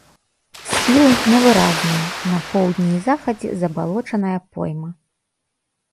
Схілы невыразныя, на поўдні і захадзе забалочаная пойма.